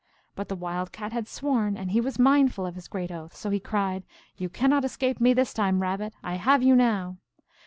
But the Wild Cat had sworn, and he was mindful of his great oath ; so he cried, " You cannot escape me this time, Rabbit ! I have you now